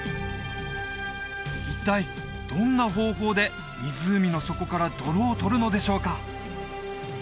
一体どんな方法で湖の底から泥を取るのでしょうか？